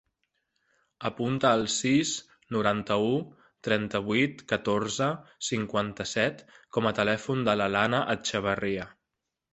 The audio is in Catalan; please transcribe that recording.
Apunta el sis, noranta-u, trenta-vuit, catorze, cinquanta-set com a telèfon de l'Alana Etxebarria.